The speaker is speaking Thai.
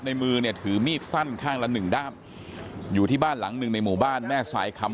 มือเนี่ยถือมีดสั้นข้างละหนึ่งด้ามอยู่ที่บ้านหลังหนึ่งในหมู่บ้านแม่สายคำ